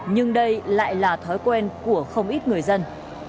nhưng đây lại là thói quen của không ít người dân